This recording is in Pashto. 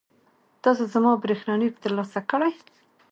تاسو زما برېښنالیک ترلاسه کړی؟